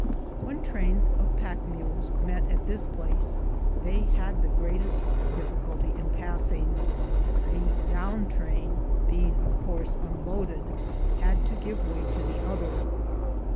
When trains of pack mules met at this place, they had the greatest difficulty in passing. The "down train," being of course unloaded, had to give way to the other.